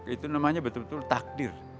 itu namanya betul betul takdir